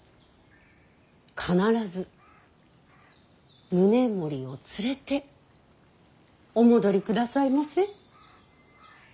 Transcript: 必ず宗盛を連れてお戻りくださいませ。